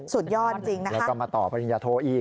สุดยอดจริงนะครับแล้วก็มาต่อพนิยโทษอีก